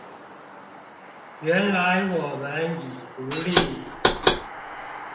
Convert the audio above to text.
原來我們已獨立